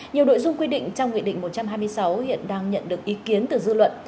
nhiều nội dung quy định trong nghị định một trăm hai mươi sáu hiện đang nhận được ý kiến từ dư luận